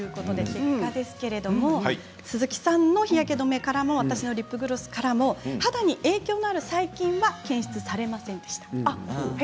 結果ですけれど鈴木さんの日焼け止めからも私のリップグロスからも肌に影響のある細菌は検出されませんでした。